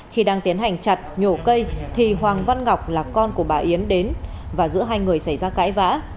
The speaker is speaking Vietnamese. khi đang tiến hành chặt nhổ cây thì hoàng văn ngọc là con của bà yến đến và giữa hai người xảy ra cãi vã